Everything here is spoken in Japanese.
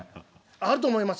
あると思います。